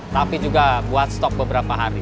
tapi juga buat stok beberapa hari